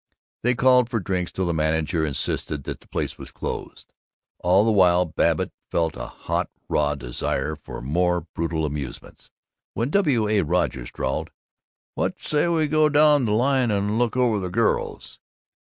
They called for drinks till the manager insisted that the place was closed. All the while Babbitt felt a hot raw desire for more brutal amusements. When W. A. Rogers drawled, "What say we go down the line and look over the girls?"